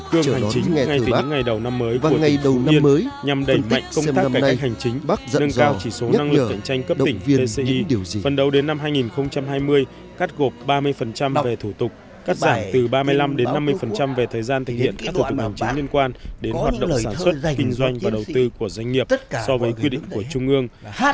cắt giảm từ ba mươi năm năm mươi về thời gian thực hiện các thủ tướng đồng chính liên quan đến hoạt động sản xuất kinh doanh và đầu tư của doanh nghiệp so với quy định của trung ương